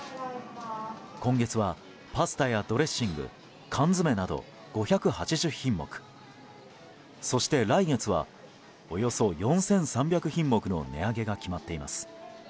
今月は、パスタやドレッシング缶詰など５８０品目そして来月はおよそ４３００品目の値上げが決まっています。